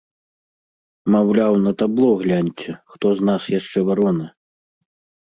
Маўляў, на табло гляньце, хто з нас яшчэ варона.